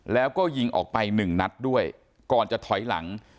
แล้วก็ยิงออกไปหนึ่งนัดด้วยก่อนจะถอยหลัง